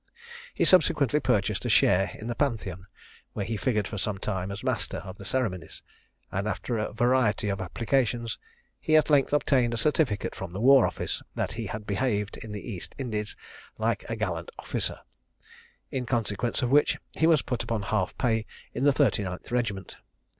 He subsequently purchased a share in the Pantheon, where he figured for some time as master of the ceremonies; and after a variety of applications he at length obtained a certificate from the War office, that he had behaved in the East Indies "like a gallant officer;" in consequence of which he was put upon half pay in the 39th regiment.